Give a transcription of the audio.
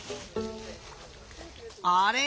あれ？